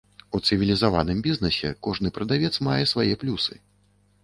У цывілізаваным бізнэсе кожны прадавец мае свае плюсы.